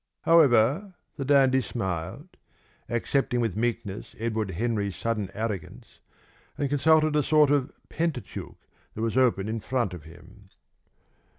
However, the dandy smiled, accepting with meekness Edward Henry's sudden arrogance, and consulted a sort of pentateuch that was open in front of him.